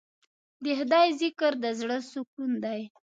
د خدای ذکر د زړه سکون دی.